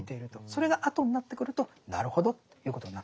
それがあとになってくるとなるほどということになってきます。